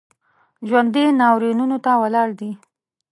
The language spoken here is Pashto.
ژوندي ناورینونو ته ولاړ دي